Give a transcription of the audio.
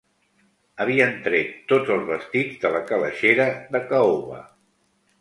Havien tret tots els vestits de la calaixera de caoba